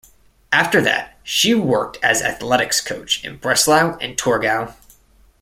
After that she worked as athletics coach in Breslau and Torgau.